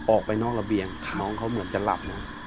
ออกไปนอกระเบียงน้องเขาเหมือนจะหลับนะ